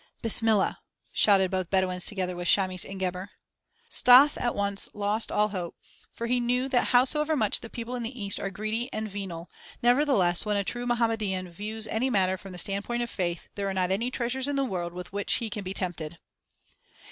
"Bismillah!" shouted both Bedouins together with Chamis and Gebhr. Stas at once lost all hope, for he knew that howsoever much the people in the East are greedy and venal, nevertheless when a true Mohammedan views any matter from the standpoint of faith, there are not any treasures in the world with which he can be tempted.